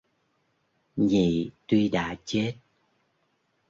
Nhị tuy đã chết